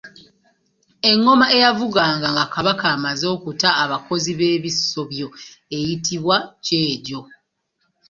Engoma eyavuganga nga Kabaka amaze okutta abakozi b’ebisobyo eyitibwa Kyejo.